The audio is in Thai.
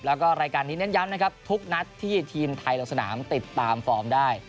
แล้วก็รายการนี้เน้นย้ำนะครับทุกนัดที่ทีมไทยลงสนามติดตามฟอร์มได้